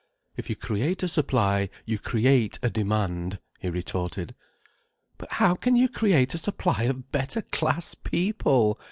"If you create a supply you create a demand," he retorted. "But how can you create a supply of better class people?"